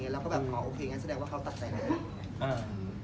แล้วก็แบบอ๋อโอเคงั้นแสดงว่าเขาตัดใจแล้ว